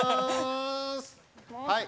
はい。